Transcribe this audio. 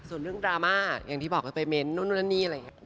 ส่วนเรื่องดราม่าอย่างที่บอกกันไปเน้นนู่นนั่นนี่อะไรอย่างนี้